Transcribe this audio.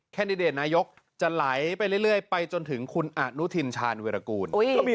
แนตนายกจะไหลไปเรื่อยไปจนถึงคุณอนุทินชาญวิรากูล